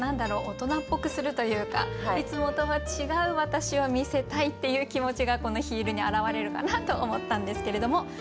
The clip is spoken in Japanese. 大人っぽくするというかいつもとは違う私を見せたいっていう気持ちがこの「ヒール」に表れるかなと思ったんですけれども。